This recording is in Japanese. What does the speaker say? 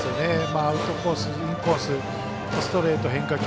アウトコース、インコースストレート変化球